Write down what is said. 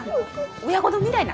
親子丼みだいな。